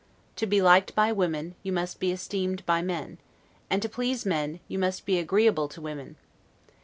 To be liked by women, you must be esteemed by men; and to please men, you must be agreeable to women.